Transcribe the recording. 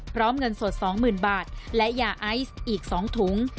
พร้อมเงินสดสองหมื่นบาทและยาไอซ์อีกสองถุง